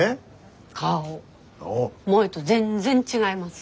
顔前と全然違います。